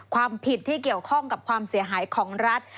กับความเสียหายของรัฐ